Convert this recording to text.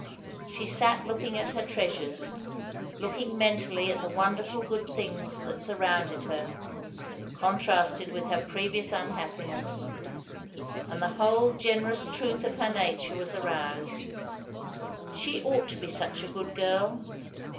She sat looking at her treasures, looking mentally at the wonderful good things that surrounded her, contrasted with her previous unhappiness; and the whole generous truth of her nature was aroused. She ought to be such a good girl!